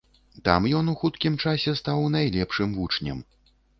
Там ён у хуткім часе стаў найлепшым вучнем.